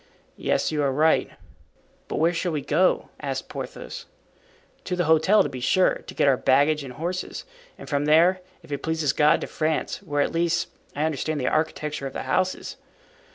"Yes, you are right." "But where shall we go?" asked Porthos. "To the hotel, to be sure, to get our baggage and horses; and from there, if it please God, to France, where, at least, I understand the architecture of the houses."